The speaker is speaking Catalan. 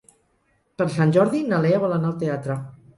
Per Sant Jordi na Lea vol anar al teatre.